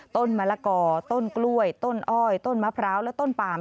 ต้นมะละกอต้นกล้วยต้นอ้อยต้นมะพร้าวและต้นปาม